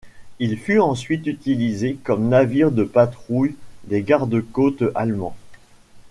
Il fut ensuite utilisé comme navire de patrouille des garde-côtes allemands.